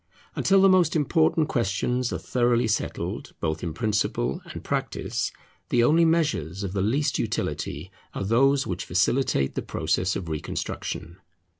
Until the most important questions are thoroughly settled, both in principle and practice, the only measures of the least utility are those which facilitate the process of reconstruction.